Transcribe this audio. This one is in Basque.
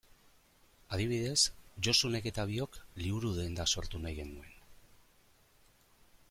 Adibidez, Josunek eta biok liburu-denda sortu nahi genuen.